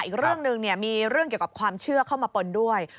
อีกเรื่องหนึ่งมีเรื่องเกี่ยวกับความเชื่อเข้ามาปนด้วย